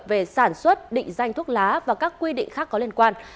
về sản xuất định danh thuốc lá và các quy định khác có liên quan